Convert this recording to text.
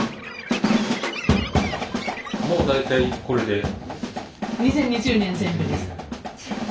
もう大体これで。